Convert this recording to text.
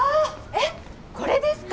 えっこれですか？